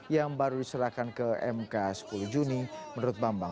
yang baru diserahkan ke mk sepuluh juni menurut bambang